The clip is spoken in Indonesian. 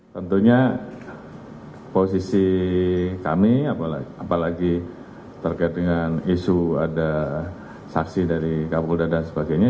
tentunya posisi kami apalagi terkait dengan isu ada saksi dari kapolda dan sebagainya